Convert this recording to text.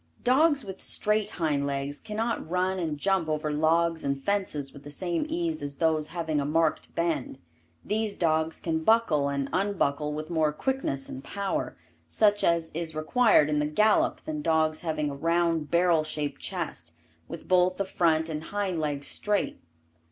Dogs with straight hind legs cannot run and jump over logs and fences with the same ease as those having a marked bend. These dogs can buckle and unbuckle with more quickness and power, such as is required in the gallop than dogs having a round barrel shaped chest, with both the front and hind legs straight.